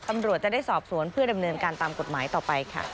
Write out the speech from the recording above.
ตำรวจจะได้สอบสวนเพื่อดำเนินการตามกฎหมายต่อไปค่ะ